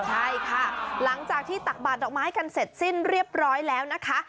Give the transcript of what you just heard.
ใช่ค่ะหลังจากที่ตักบาดดอกไม้กันเสร็จสิ้นเรียบร้อยแล้วนะคะ